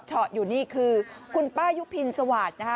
เฉาะอยู่นี่คือคุณป้ายุพินสวัสดิ์นะค่ะ